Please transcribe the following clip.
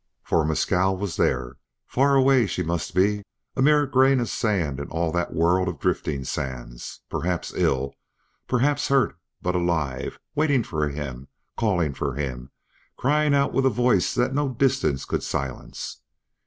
For Mescal was there. Far away she must be, a mere grain of sand in all that world of drifting sands, perhaps ill, perhaps hurt, but alive, waiting for him, calling for him, crying out with a voice that no distance could silence.